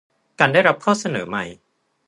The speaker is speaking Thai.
การได้รับข้อเสนอใหม่